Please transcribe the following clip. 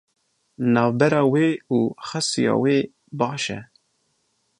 Navbera wê û xesûya wê baş e.